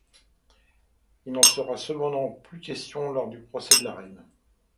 Il n'en sera cependant plus question lors du procès de la reine.